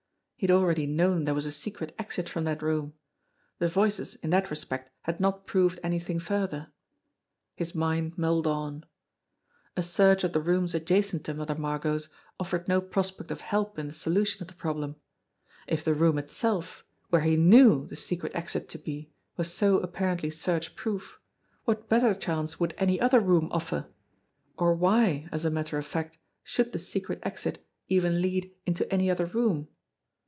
He had already known there was a secret exit from that room. The voices in that respect had not proved anything further. His mind mulled on. A search of the rooms adjacent to Mother Margot's offered no prospect of help in the solution of the problem. If the room itself, where he knew the secret exit to be, was so apparently search proof, what better chance would any other room offer ? Or why, as a matter of fact, should the secret exit even lead into any other room